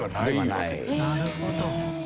なるほど。